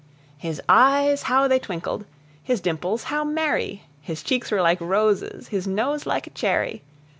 His eyes how they twinkled! his dimples how merry! His cheeks were like roses, his nose like a cherry!